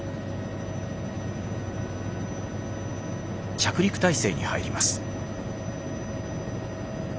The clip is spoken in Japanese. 着陸態勢に入ります。